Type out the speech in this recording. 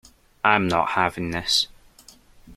I'm not having this.